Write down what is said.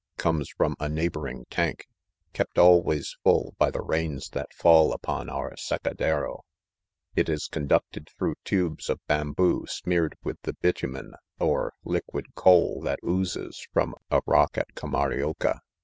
"comes from a neighboring tank, kept always full by the rains that fall upon our secadero* It is con ducted through tubes Of bamboo smeared with the bitumen or * liquid coal' that oozes from a rock at Camarioca.